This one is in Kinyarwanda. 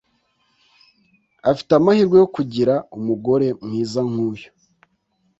Afite amahirwe yo kugira umugore mwiza nkuyu.